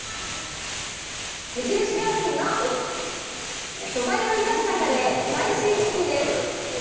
無印良品の、素材を生かしたカレースパイシーチキンです。